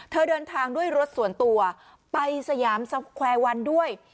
เดินทางด้วยรถส่วนตัวไปสยามสแควร์วันด้วย